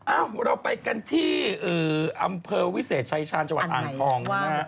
เราไปกันที่อำเภอวิเศษชายชาญจังหวัดอ่างทองนะฮะ